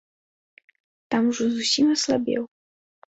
Там ужо зусім аслабеў.